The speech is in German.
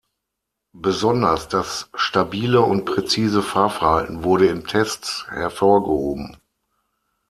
Besonders das stabile und präzise Fahrverhalten wurde in Tests hervorgehoben.